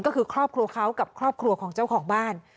ก็คือครอบครัวเขากับครอบครัวของเจ้าของบ้าน